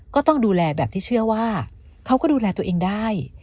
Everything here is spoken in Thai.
ก็ต้องดูแลแบบที่เชื่อว่าเขาก็ดูแลตัวเองได้